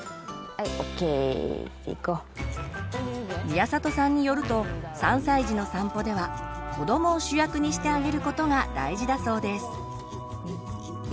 宮里さんによると３歳児の散歩では子どもを主役にしてあげることが大事だそうです。